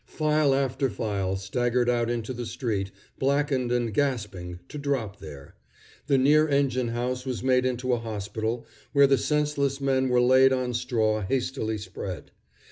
File after file staggered out into the street, blackened and gasping, to drop there. The near engine house was made into a hospital, where the senseless men were laid on straw hastily spread.